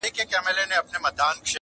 ښکاري ګوري موږکان ټوله تاوېږي,